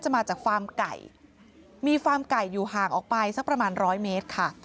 มีฟาร์มไก่อยู่ห่างออกไปสักประมาณ๑๐๐เมตรค่ะ